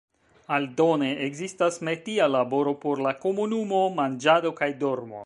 Aldone ekzistas metia laboro por la komunumo, manĝado kaj dormo.